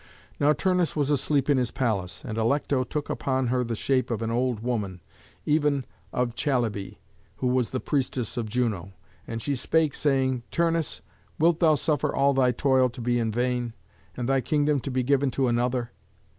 Now Turnus was asleep in his palace, and Alecto took upon her the shape of an old woman, even of Chalybé, who was the priestess of Juno; and she spake, saying, "Turnus, wilt thou suffer all thy toil to be in vain, and thy kingdom to be given to another?